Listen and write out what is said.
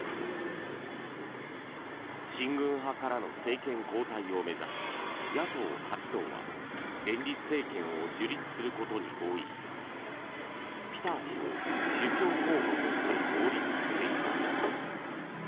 親軍派からの政権交代を目指し野党８党は連立政権を樹立することに合意しピター氏を首相候補として擁立していた。